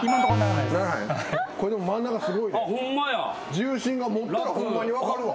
重心が持ったらホンマに分かるわ。